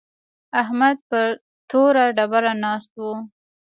احمد پر توره ډبره ناست و.